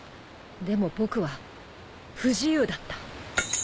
でも僕は不自由だった。